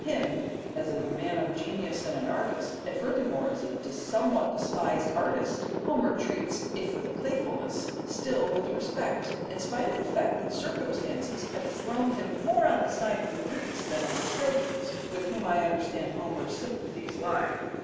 Him, as a man of genius and an artist, and furthermore as a somewhat despised artist, Homer treats, if with playfulness, still with respect, in spite of the fact that circumstances have thrown him more on the side of the Greeks than of the Trojans, with whom I understand Homer's sympathies mainly to lie.